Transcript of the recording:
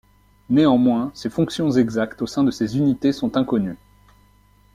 Néanmoins, ses fonctions exactes au sein de ces unités sont inconnues.